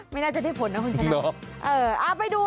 ไม่น่าจะได้ผลนะคุณชนะ